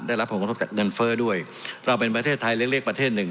ได้รับผลกระทบจากเงินเฟ้อด้วยเราเป็นประเทศไทยเล็กเล็กประเทศหนึ่ง